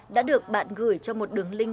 đã được bạn gửi cho một đường link